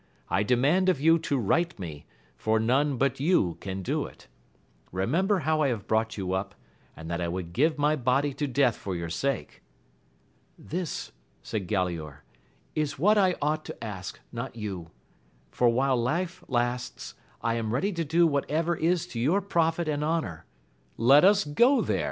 I demand of you to right me, for none but you can do it : remember how I have brought you up, and that I would give my body to death for your sake. This, said Gulaor, is what I ought to ask, not you ; for, while life lasts, I am ready to do whatever is to your profit and honour : let us go there